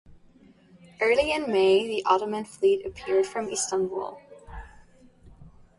Early in May, the Ottoman fleet appeared from Istanbul.